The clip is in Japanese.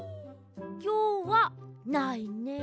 きょうはないねえ。